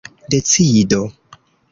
decido